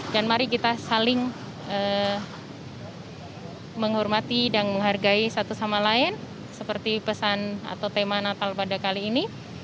dan mari kita saling menghormati dan menghargai satu sama lain seperti pesan atau tema natal pada kali ini